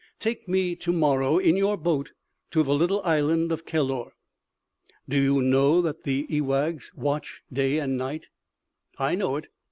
Take me to morrow in your boat to the little island of Kellor." "Do you know that the ewaghs watch day and night?" "I know it.